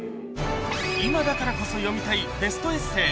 今だからこそ読みたいベストエッセー。